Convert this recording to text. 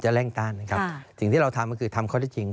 เร่งต้านนะครับสิ่งที่เราทำก็คือทำข้อได้จริง